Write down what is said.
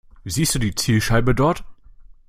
Siehst du die Zielscheibe dort?